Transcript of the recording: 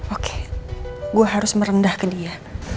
oke gue harus merendah ke dia